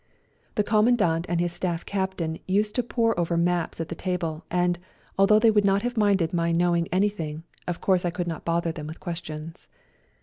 The Commandant and his Staff Captain used to pore over maps at the table, and, although they would not have minded my knowing any thing, of course I could not bother them with questions.